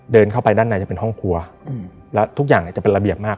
เดินเข้าไปด้านในจะเป็นห้องครัวแล้วทุกอย่างเนี่ยจะเป็นระเบียบมาก